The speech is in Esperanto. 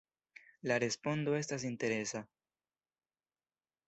La respondo estas interesa.